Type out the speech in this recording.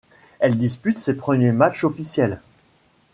Elle dispute ses premiers matches officiels.